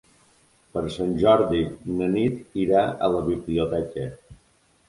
Per Sant Jordi na Nit irà a la biblioteca.